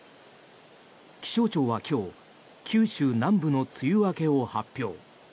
気象庁は今日九州南部の梅雨明けを発表。